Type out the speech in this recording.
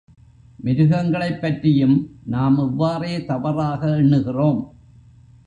மிருகங்களைப் பற்றியும் நாம் இவ்வாறே தவறாக எண்ணுகிறோம்.